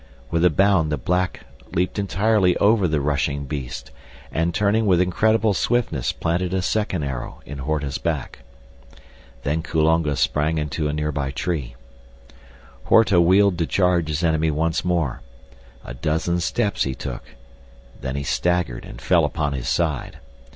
With a bound the black leaped entirely over the rushing beast and turning with incredible swiftness planted a second arrow in Horta's back. Then Kulonga sprang into a near by tree. Horta wheeled to charge his enemy once more; a dozen steps he took, then he staggered and fell upon his side.